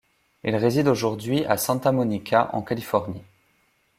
Il réside aujourd'hui à Santa Monica, en Californie.